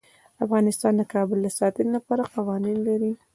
افغانستان د کابل د ساتنې لپاره قوانین لري.